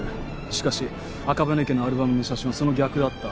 しかし赤羽家のアルバムの写真はその逆だった。